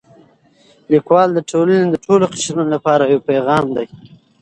لیکوال د ټولنې د ټولو قشرونو لپاره یو پیغام درلود.